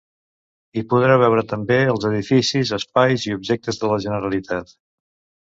Hi podreu veure també els edificis, espais i objectes de la Generalitat.